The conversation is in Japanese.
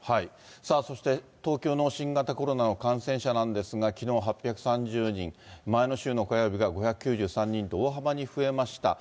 そして東京の新型コロナの感染者なんですが、きのう８３０人、前の週の火曜日が５９３人と、大幅に増えました。